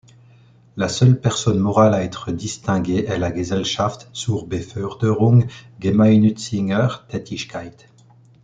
La seule personne morale à être distinguée est la Gesellschaft zur Beförderung gemeinnütziger Tätigkeit.